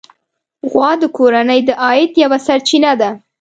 غوا د کورنۍ د عاید یوه سرچینه ده.